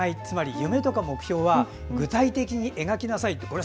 つまり夢とか目標は具体的に描きなさいと。